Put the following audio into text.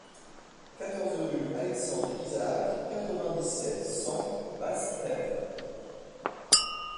quatorze rue Alexandre Isaac, quatre-vingt-dix-sept, cent, Basse-Terre